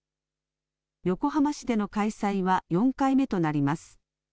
横浜市での開催は４回目となります。